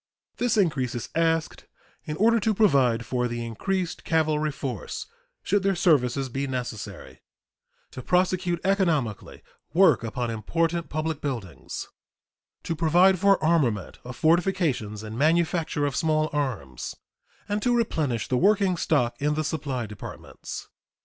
This increase is asked in order to provide for the increased cavalry force (should their services be necessary), to prosecute economically work upon important public buildings, to provide for armament of fortifications and manufacture of small arms, and to replenish the working stock in the supply departments.